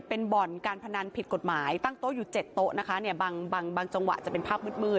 เป็นบ่อนการพนันผิดกฎหมายตั้งโต๊ะอยู่เจ็ดโต๊ะนะคะเนี่ยบางบางจังหวะจะเป็นภาพมืด